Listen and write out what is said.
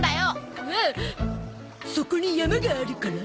そこに山があるから？